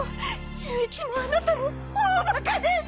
峻一もあなたも大バカです！